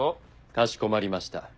かしこまりました。